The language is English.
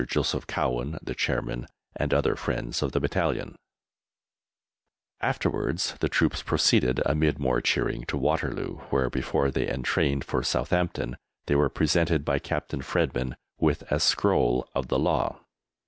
Joseph Cowen (the Chairman), and other friends of the Battalion. [Illustration: LIEUT. VLADIMIR JABOTINSKY] Afterwards the troops proceeded, amid more cheering, to Waterloo, where, before they entrained for Southampton, they were presented by Captain Fredman with a scroll of the law.